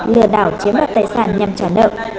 lừa đảo chiếm đoạt tài sản nhằm trả nợ